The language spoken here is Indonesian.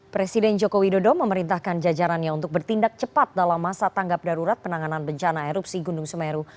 presiden joko widodo memerintahkan jajarannya untuk bertindak cepat dalam masa tanggap darurat penanganan bencana erupsi gunung semeru